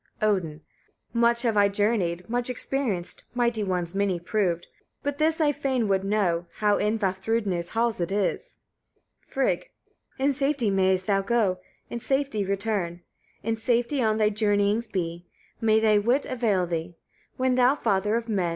Odin. 3. Much have I journeyed, much experienced, mighty ones many proved; but this I fain would know, how in Vafthrûdnir's halls it is. Frigg. 4. In safety mayest thou go, in safety return; in safety on thy journeyings be; may thy wit avail thee, when thou, father of men!